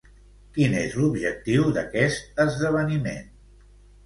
Quin és l'objectiu d'aquest esdeveniment?